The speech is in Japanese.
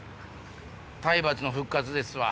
体罰の復活ですわ。